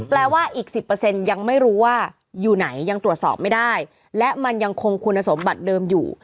ว่าอีก๑๐ยังไม่รู้ว่าอยู่ไหนยังตรวจสอบไม่ได้และมันยังคงคุณสมบัติเดิมอยู่